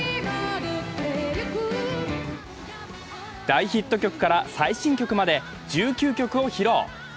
大ヒット曲から最新曲まで１９曲を披露。